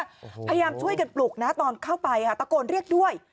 พยายามช่วยกันปลุกนะตอนเข้าไปค่ะตะโกนเรียกด้วย